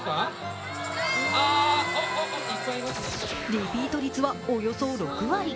リピート率はおよそ６割。